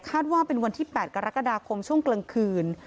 ว่าเป็นวันที่๘กรกฎาคมช่วงกลางคืน